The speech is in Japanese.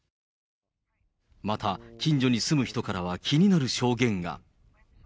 また、近所に住む人からは気になる証言が。